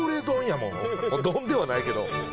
丼ではないけど。